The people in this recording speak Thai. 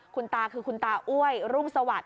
คุณตาคือคุณตาอ้วยรุ่งสวัสดิ